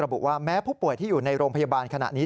บุว่าแม้ผู้ป่วยที่อยู่ในโรงพยาบาลขณะนี้